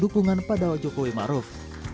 dukungan pada jokowi ma'ruf